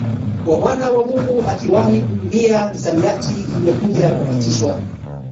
wa Mwana wa Mungu akiwahi kutumia misamiati iliyokuja kupitishwa